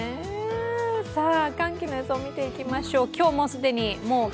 寒気の予想見ていきましょう。